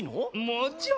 もちろん。